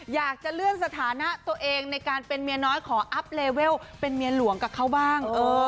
อยากจะเลื่อนสถานะตัวเองในการเป็นเมียน้อยขออัพเลเวลเป็นเมียหลวงกับเขาบ้าง